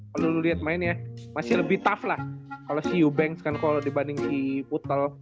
kalo lu liat mainnya masih lebih tough lah kalo si eubanks kan kalo dibanding si putel